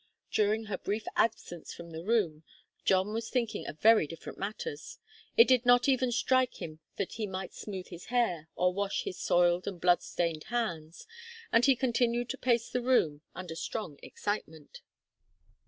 During her brief absence from the room, John was thinking of very different matters. It did not even strike him that he might smooth his hair or wash his soiled and blood stained hands, and he continued to pace the room under strong excitement.